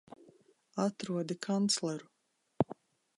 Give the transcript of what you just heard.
Atrodi kancleru!